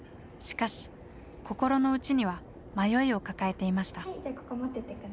しかし心の内には迷いを抱えていました。